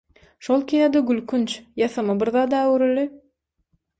Şol kino-da gülkünç, ýasama bir zada öwrüldi.